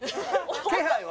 気配は？